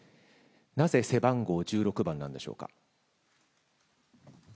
なぜ、背番号は１６番なんでしょうか？